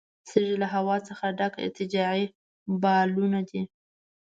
سږي له هوا څخه ډک ارتجاعي بالونونه دي.